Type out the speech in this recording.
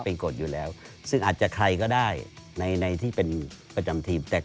เป็นกฎอยู่แล้วซึ่งอาจจะใครก็ได้ในในที่เป็นประจำทีมแต่